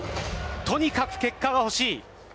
とにかく結果が欲しい。